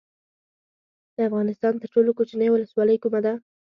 د افغانستان تر ټولو کوچنۍ ولسوالۍ کومه ده؟